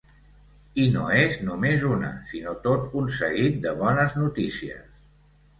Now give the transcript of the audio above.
I no és només una, sinó tot un seguit de bones notícies.